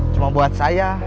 cuma buat saya